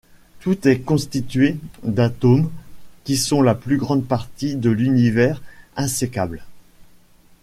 Tout est constitué d'atomes, qui sont la plus petite partie de l'univers, insécable.